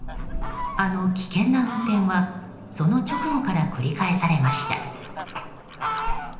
あの危険な運転はその直後から繰り返されました。